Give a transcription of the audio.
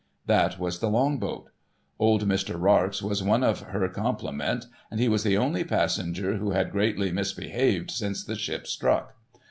That was the Long boat. Old Mr. Rarx was one of her com plement, and he was the only passenger who had greatly misbehaved since the ship struck.